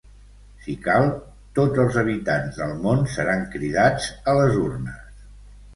Si cal, tots els habitants del món seran cridats a les urnes.